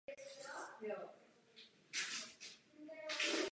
China Mobile je největší společností registrovaných v Hongkongu.